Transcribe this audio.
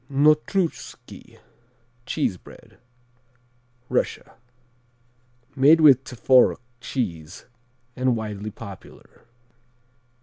Notruschki (cheese bread) Russia Made with Tworog cheese and widely popular.